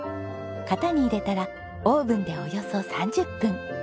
型に入れたらオーブンでおよそ３０分。